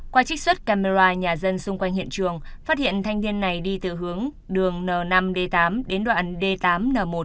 qua trích xuất camera nhà dân xung quanh hiện trường phát hiện thanh niên này đi từ hướng đường n năm d tám đến đoạn d tám n một